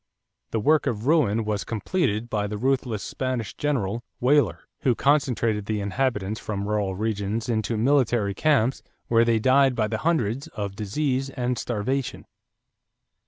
The work of ruin was completed by the ruthless Spanish general, Weyler, who concentrated the inhabitants from rural regions into military camps, where they died by the hundreds of disease and starvation.